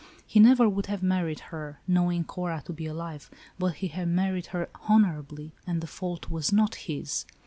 He never would have married her, knowing Cora to be alive, but he had married her honorably, and the fault was not his.